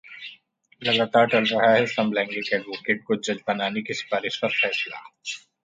लगातार टल रहा है समलैंगिक एडवोकेट को जज बनाने की सिफारिश पर फैसला